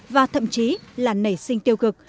và thậm chí là nảy sinh tiêu cực